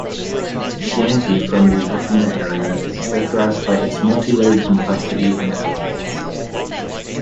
Chianti from the Rufina area is characterised by its multi-layered complexity and elegance.